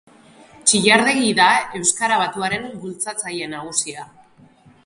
Txillardegi da euskara batuaren bultzatzaile nagusia.